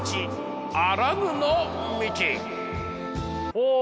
ほう。